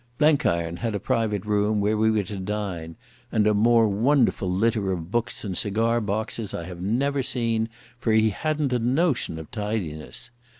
Blenkiron had a private room, where we were to dine; and a more wonderful litter of books and cigar boxes I have never seen, for he hadn't a notion of tidiness.